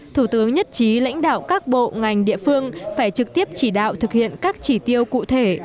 thủ tướng nhất trí lãnh đạo các bộ ngành địa phương phải trực tiếp chỉ đạo thực hiện các chỉ tiêu cụ thể